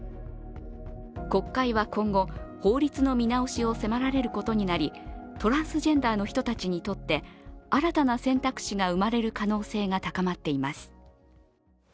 国会は今後、法律の見直しを迫られることになりトランスジェンダーの人たちにとって新たな選択肢が生まれる可能性が高まっています。